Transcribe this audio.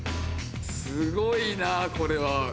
すごいなこれは。